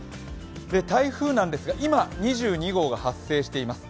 台風なんですが、今、２２号が発生しています。